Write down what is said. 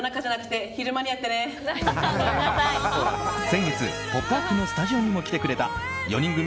先月「ポップＵＰ！」のスタジオにも来てくれた４人組